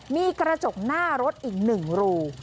มีกระจกหน้ารถอีก๑รู